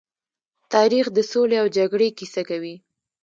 تاریخ د سولې او جګړې کيسه کوي.